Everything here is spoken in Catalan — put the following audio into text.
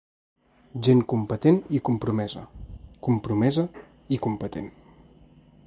Gent competent i compromesa, compromesa i competent.